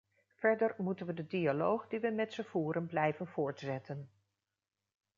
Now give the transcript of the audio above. Verder moeten we de dialoog die we met ze voeren blijven voortzetten.